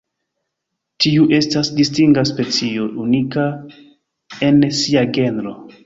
Tiu estas distinga specio, unika en sia genro.